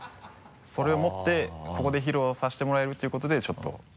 それを持ってここで披露させてもらえるということでちょっと。